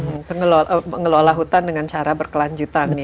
mungkin mengelola hutan dengan cara berkelanjutan ya